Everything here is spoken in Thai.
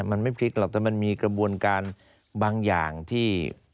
มันไม่พลิกหรอกแต่มันมีกระบวนการบางอย่างที่